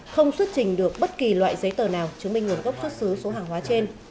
không xuất trình được bất kỳ loại giấy tờ nào chứng minh nguồn gốc xuất xứ số hàng hóa trên